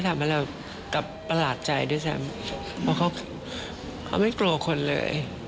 เพราะเขาไม่โกรธุ์คนเลย